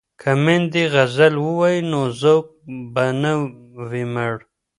که میندې غزل ووايي نو ذوق به نه وي مړ.